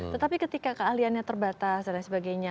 tetapi ketika keahliannya terbatas dan sebagainya